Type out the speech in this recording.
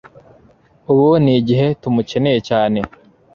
Ubu ni igihe tumukeneye cyane